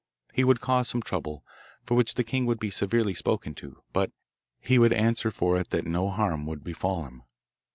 He would cause some trouble, for which the king would be severely spoken to, but he would answer for it that no harm would befall him.